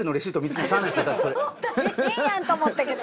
大変やんと思ったけど。